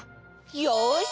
よし！